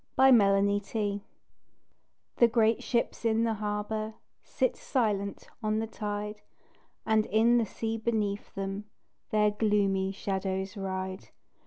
AT PORTSMOUTH The great ships in the harbour Sit silent on the tide, And in the sea beneath them Their gloomy shadows ride.